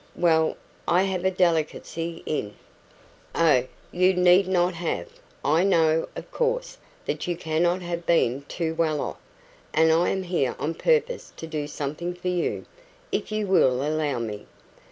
"Well, I have a delicacy in " "Oh, you need not have! I know, of course, that you cannot have been too well off, and I am here on purpose to do something for you, if you will allow me.'